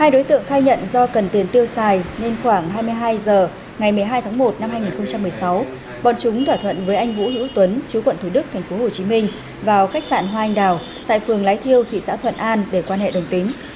hai đối tượng khai nhận do cần tiền tiêu xài nên khoảng hai mươi hai h ngày một mươi hai tháng một năm hai nghìn một mươi sáu bọn chúng thỏa thuận với anh vũ hữu tuấn chú quận thủ đức tp hcm vào khách sạn hoa anh đào tại phường lái thiêu thị xã thuận an để quan hệ đồng tính